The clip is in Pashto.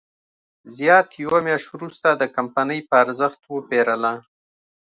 زیات یوه میاشت وروسته د کمپنۍ په ارزښت وپېرله.